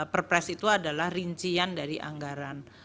perpres itu adalah rincian dari anggaran